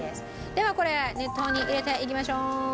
ではこれ熱湯に入れていきましょう。